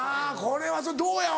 これはどうや？